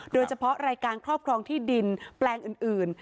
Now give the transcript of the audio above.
โดยเฉพาะรายการครอบครองที่ดินแปลงอื่น